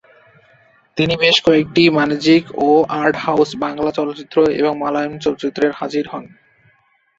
তিনি বেশ কয়েকটি বাণিজ্যিক ও আর্ট-হাউজ বাংলা চলচ্চিত্র এবং মালয়ালম চলচ্চিত্রে হাজির হন।